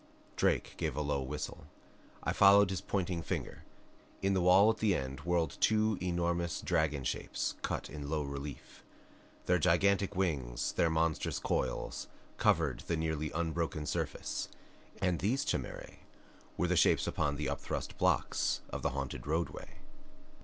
Drake gave a low whistle. I followed his pointing finger. In the wall at the end whirled two enormous dragon shapes, cut in low relief. Their gigantic wings, their monstrous coils, covered the nearly unbroken surface, and these CHIMERAE were the shapes upon the upthrust blocks of the haunted roadway.